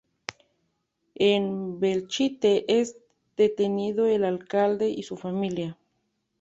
En Belchite es detenido el alcalde y su familia.